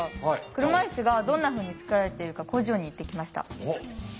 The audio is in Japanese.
車いすがどんなふうに作られているか工場に行ってきました。